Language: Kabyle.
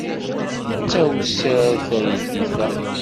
D tawessart teydit-a.